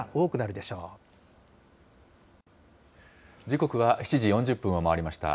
時刻は７時４０分を回りました。